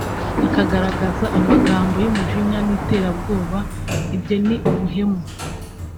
akagaragaza amagambo y’umujinya n’iterabwoba ibyo ni ubuhemu